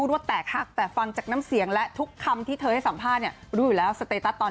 แล้วหน้าที่น้องไม่ใช่แค่ตอบคำถามสื่อหรือดูแลภาพลักษณ์